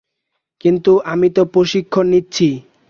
কিন্তু আমি তো প্রশিক্ষণ নিচ্ছি।